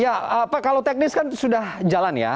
ya kalau teknis kan sudah jalan ya